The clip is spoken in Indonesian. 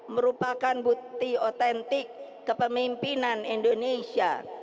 merupakan bukti otentik kepemimpinan indonesia